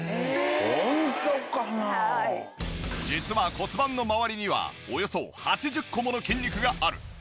実は骨盤のまわりにはおよそ８０個もの筋肉がある。